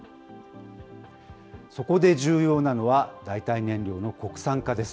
そこで重要なのは、代替燃料の国産化です。